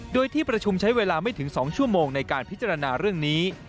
โดยที่ประชุมใช้เวลาไม่ถึง๒ชั่วโมงในการพิจารณาเรื่องนี้